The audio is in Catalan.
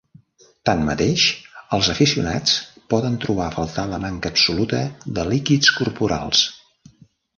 Tanmateix, els aficionats poden trobar a faltar la manca absoluta de líquids corporals.